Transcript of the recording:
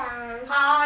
はい。